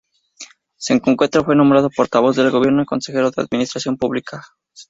En concreto fue nombrado portavoz del Gobierno y consejero de Administración Pública y Justicia.